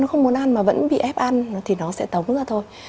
nó không muốn ăn mà vẫn bị ép ăn thì nó sẽ tống ra thôi